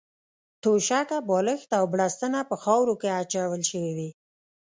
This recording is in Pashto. توشکه، بالښت او بړستنه په خاورو کې اچول شوې وې.